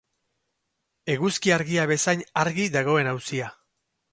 Eguzki argia bezain argi dagoen auzia.